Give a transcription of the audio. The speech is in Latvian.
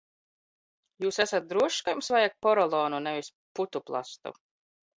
Jūs esat drošs, ka jums vajag porolonu, nevis putuplastu?